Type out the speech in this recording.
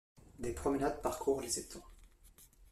Des promenades parcourent les étangs.